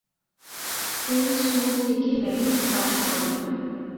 এই স্কুল থেকেই matric pass করেন।